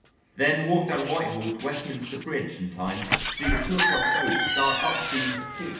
Then walked down Whitehall to Westminster Bridge in time to see the 2 o'clock boat start upstream for Kew.